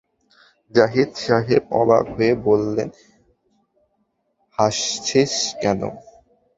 জাহিদ সাহেব অবাক হয়ে বললেন, হাসছিস কেন?